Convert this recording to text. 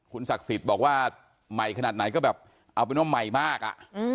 ศักดิ์สิทธิ์บอกว่าใหม่ขนาดไหนก็แบบเอาเป็นว่าใหม่มากอ่ะ